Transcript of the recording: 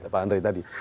pak andre tadi